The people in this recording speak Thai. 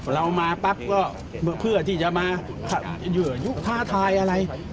เรามาปั๊บก็เพื่อที่จะมายั่วยุทท้าทายอะไร